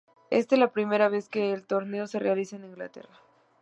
Esta es la primera vez que el torneo se realiza en Inglaterra.